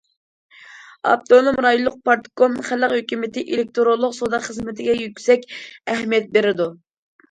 ئاپتونوم رايونلۇق پارتكوم، خەلق ھۆكۈمىتى ئېلېكتىرونلۇق سودا خىزمىتىگە يۈكسەك ئەھمىيەت بېرىدۇ.